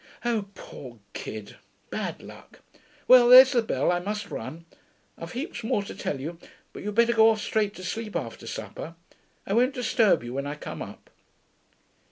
Oh, poor kid, bad luck.... Well, there's the bell, I must run. I've heaps more to tell you. But you'd better go off straight to sleep after supper; I won't disturb you when I come up.'